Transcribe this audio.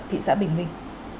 thị xã bình minh